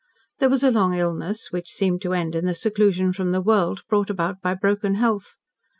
There was a long illness, which seemed to end in the seclusion from the world, brought about by broken health.